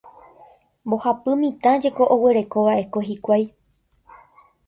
Mbohapy mitã jeko oguerekova'ekue hikuái.